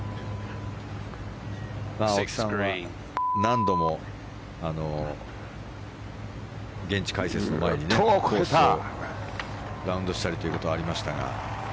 青木さんは何度も現地解説の前にねコースをラウンドしたりということがありましたが。